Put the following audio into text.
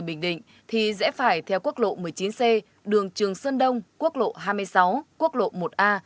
bình định thì dễ phải theo quốc lộ một mươi chín c đường trường sơn đông quốc lộ hai mươi sáu quốc lộ một a